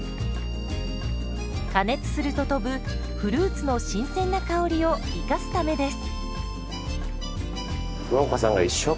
加熱すると飛ぶフルーツの新鮮な香りを生かすためです。